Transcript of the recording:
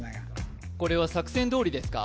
これは作戦どおりですか？